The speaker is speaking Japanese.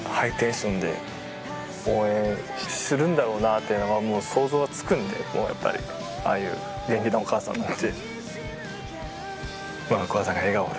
っていうのがもう想像はつくんでやっぱりああいう元気なお母さんなんで。